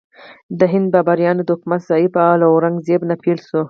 د هند بابریانو د حکومت ضعف له اورنګ زیب نه پیل شو.